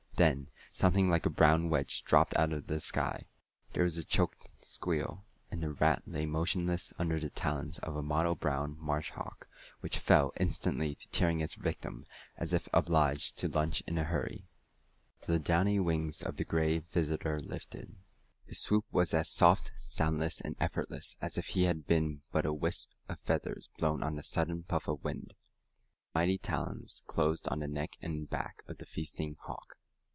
Then something like a brown wedge dropped out of the sky. There was a choked squeal, and the rat lay motionless under the talons of a mottle brown marsh hawk, which fell instantly to tearing its victim, as if obliged to lunch in a hurry. The downy wings of the Gray Visitor lifted. His swoop was as soft, soundless and effortless as if he had been but a wisp of feathers blown on a sudden puff of wind. His mighty talons closed on the neck and back of the feasting hawk.